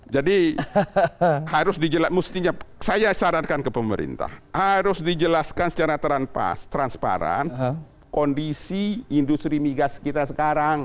jadi harus dijelaskan mestinya saya sarankan ke pemerintah harus dijelaskan secara transparan kondisi industri migas kita sekarang